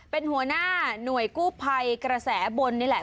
เป็นหัวหน้าหน่วยกู้ภัยกระแสบนนี่แหละ